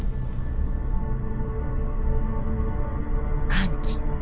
乾季。